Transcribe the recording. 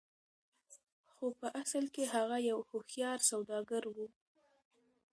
خو په اصل کې هغه يو هوښيار سوداګر و.